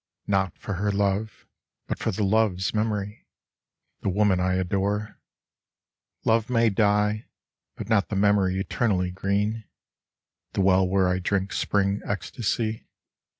Not for her love, but for the love's memory, The woman I adore ; Love may die, but not the memory eternally green— The well where I drink Spring ecstasy.